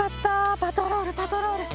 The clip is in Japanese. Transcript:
パトロールパトロール。